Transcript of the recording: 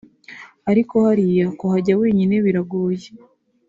ariko hariya kuhajya wenyine biragoye…